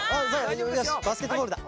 よしバスケットボールだ。